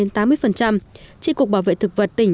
tri cục bảo vệ thực vật tỉnh